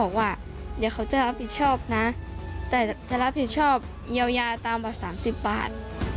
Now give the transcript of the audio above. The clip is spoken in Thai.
นะแต่จะรับผิดชอบเยาว์ตามบัตร๓๐บาท